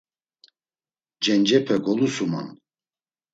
Cencepe golusunan.